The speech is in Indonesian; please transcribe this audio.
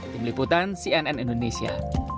demikian cnn indonesia